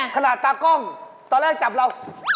ตากล้องตอนแรกจับเรา